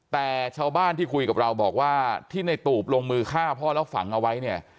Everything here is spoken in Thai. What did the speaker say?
แต่ชาวบ้านที่คุยกับเราบอกว่าที่ในตูบลงมือฆ่าพ่อแล้วฝังเอาไว้เนี่ย